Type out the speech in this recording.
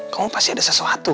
kamu pasti ada sesuatu